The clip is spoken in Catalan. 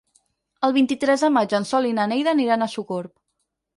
El vint-i-tres de maig en Sol i na Neida aniran a Sogorb.